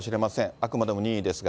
あくまでも任意ですが。